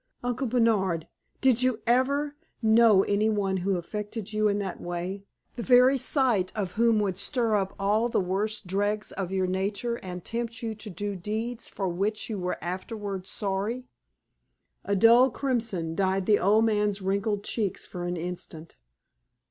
Uncle Bernard, did you ever know any one who affected you in that way the very sight of whom would stir up all the worst dregs of your nature and tempt you to do deeds for which you were afterward sorry?" A dull crimson dyed the old man's wrinkled cheeks for an instant.